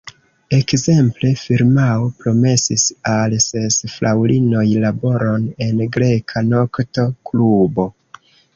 Ekzemple, firmao promesis al ses fraŭlinoj laboron en greka nokto-klubo.